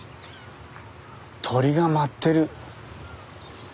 鳥が舞ってる。